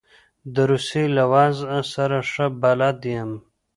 د روسیې له وضع سره ښه بلد یم.